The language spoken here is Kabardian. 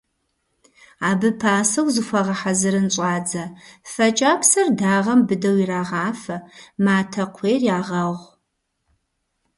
Абы пасэу зыхуагъэхьэзырын щӀадзэ: фэ кӀапсэр дагъэм быдэу ирагъафэ, матэ кхъуейр ягъэгъу.